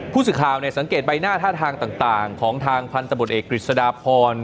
ผู้สื่อข่าวสังเกตใบหน้าท่าทางต่างของทางพันธบทเอกกฤษฎาพร